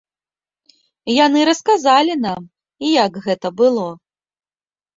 Яны расказалі нам, як гэта было.